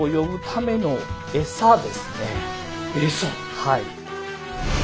はい。